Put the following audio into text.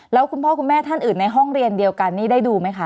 แล้วคุณพ่อคุณแม่ท่านอื่นในห้องเรียนเดียวกันนี่ได้ดูไหมคะ